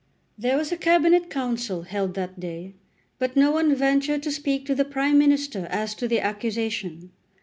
There was a Cabinet Council held that day, but no one ventured to speak to the Prime Minister as to the accusation.